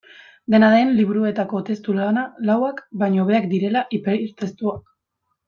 Dena den, liburuetako testu lauak baino hobeak direla hipertestuak.